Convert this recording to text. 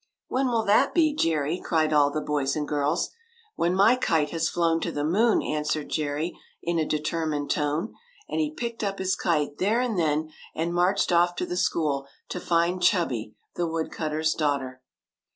" When will that be, Jerry ?" cried all the boys and girls. *'When my kite has flown to the moon," answered Jerry, in a determined tone ; and he picked up his kite there and then, and marched off to the school to find Chubby, the wood cutters daughter.